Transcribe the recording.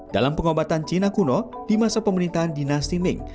dalam pengobatan cina kuno di masa pemerintahan dinasti ming